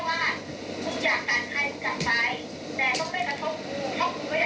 แต่นี่ยังไม่พูดถึงทีเลยนะคุณยังไม่พูดถึงทีเลยนะ